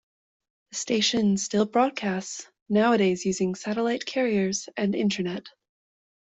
The station still broadcasts, nowadays using satellite carriers and internet.